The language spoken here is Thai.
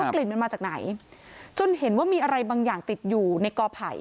กลิ่นมันมาจากไหนจนเห็นว่ามีอะไรบางอย่างติดอยู่ในกอไผ่